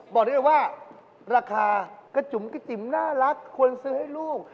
บอกที่ไหนว่าราคากจุ้มกิจิ๋มน่ารักควรซื้อให้ลูก